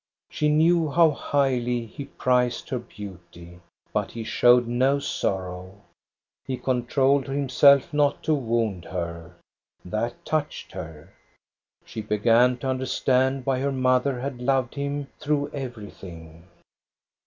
She knew how highly he prized her beauty. But he showed no sorrow. He controlled himself not to wound her. That touched her. She began to understand why her mother had loved him through everything.